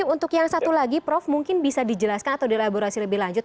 untuk yang satu lagi prof mungkin bisa dijelaskan atau dilaborasi lebih lanjut